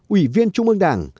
ủy viên trung ương đảng